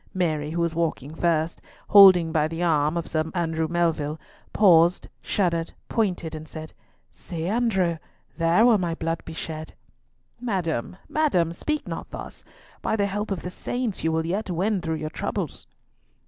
Mary, who was walking first, holding by the arm of Sir Andrew Melville, paused, shuddered, pointed, and said, "See, Andrew, there will my blood be shed." "Madam, madam! speak not thus. By the help of the saints you will yet win through your troubles."